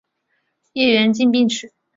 叶缘近平直。